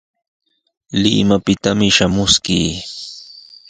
Limapitami shamuskii.